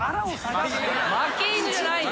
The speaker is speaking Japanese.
負け犬じゃないよ。